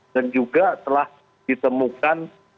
dan juga telah ditemukan